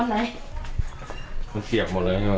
อันนี้รอบกี่ปีที่พายุถล่มแบบนี้